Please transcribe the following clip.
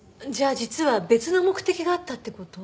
じゃあ実は別の目的があったって事？